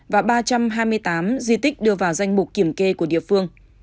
và ba trăm hai mươi tám di tích đưa vào danh mục kiểm kê của địa phương